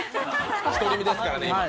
独り身ですからね。